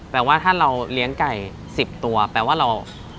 ว่าถ้าเราเลี้ยงไก่๑๐ตัวแปลว่าเรา